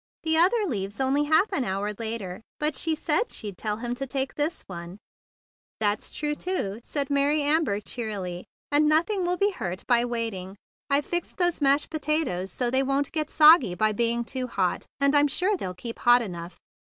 "The other leaves only half an hour later. But she said she'd tell him to take this one." "That's true, too," said Mary Amber cheerily. "And nothing will be hurt by waiting. I've fixed those mashed pota¬ toes so they won't get soggy by being too hot, and I'm sure they'll keep hot enough."